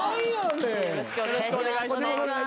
よろしくお願いします。